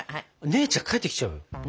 姉ちゃん帰ってきちゃうよ。